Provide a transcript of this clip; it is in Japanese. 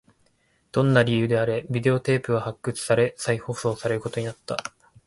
どんな理由であれ、ビデオテープは発掘され、再放送されることになった